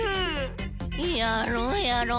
やろうやろう！